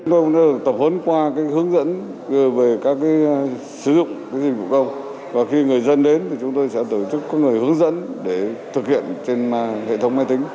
chúng tôi tập hướng qua hướng dẫn về các sử dụng dịch vụ công và khi người dân đến thì chúng tôi sẽ tổ chức các người hướng dẫn để thực hiện trên hệ thống máy tính